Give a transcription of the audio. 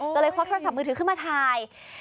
ก็เลยควบโทรศัพท์มือถือขึ้นมาถ่าย